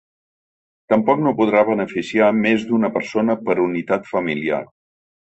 Tampoc no podrà beneficiar més d’una persona per unitat familiar.